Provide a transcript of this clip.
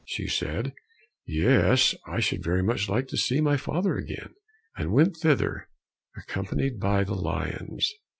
She said, "Yes, I should very much like to see my father again," and went thither, accompanied by the lions.